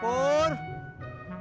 tuh kan jak